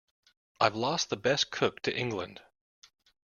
I've lost the best cook to England.